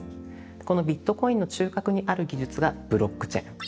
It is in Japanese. このビットコインの中核にある技術がブロックチェーン。